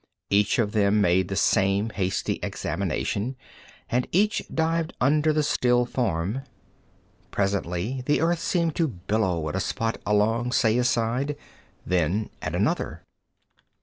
Each of them made the same hasty examination, and each dived under the still form. Presently the earth seemed to billow at a spot along Saya's side, then at another.